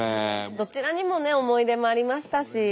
どちらにもね思い出もありましたし。